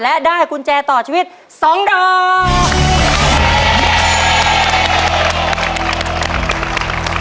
และได้กุญแจต่อชีวิต๒ดอก